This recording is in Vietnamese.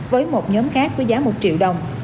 với một nhóm khác với giá một triệu đồng